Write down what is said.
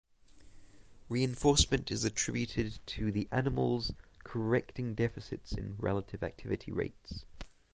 Reinforcement is attributed to the animal’s correcting deficits in relative activity rates.